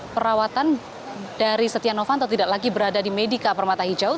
perawatan dari setia novanto tidak lagi berada di medika permata hijau